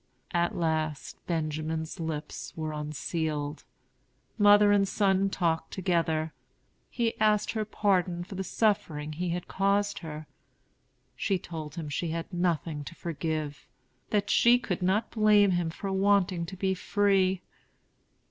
At last Benjamin's lips were unsealed. Mother and son talked together. He asked her pardon for the suffering he had caused her. She told him she had nothing to forgive; that she could not blame him for wanting to be free.